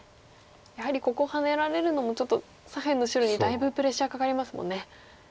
やはりここハネられるのもちょっと左辺の白にだいぶプレッシャーかかりますもんね。